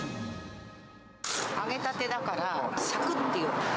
揚げたてだから、さくっていう。